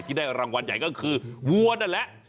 ได้รางวัลใหญ่ก็คือวัวนั่นแหละ